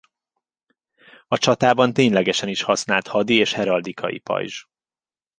A csatában ténylegesen is használt hadi és heraldikai pajzs.